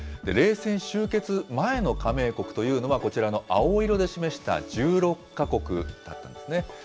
冷戦終結前の加盟国というのは、こちらの青色で示した１６か国だったんですね。